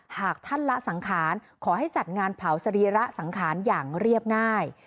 หากท่านละสังขารขอให้จัดงานเผาสรีระสังขารอย่างเรียบง่าย